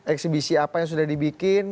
ekshibisi apa yang sudah dibikin